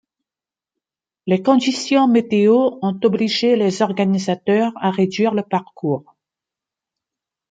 Les conditions météo ont obligé les organisateurs à réduire le parcours.